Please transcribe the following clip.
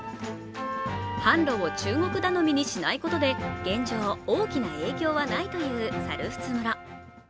販路を中国頼みにしないことで現状、大きな影響はないという猿払村。